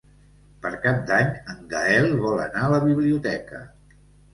Per Cap d'Any en Gaël vol anar a la biblioteca.